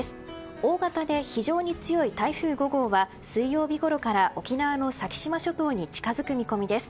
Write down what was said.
大型で非常に強い台風５号は水曜日ごろから沖縄の先島諸島に近づく見込みです。